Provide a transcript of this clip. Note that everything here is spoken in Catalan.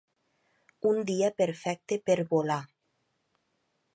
Un dia perfecte per volar.